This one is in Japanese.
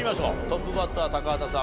トップバッター高畑さん